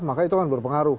maka itu kan berpengaruh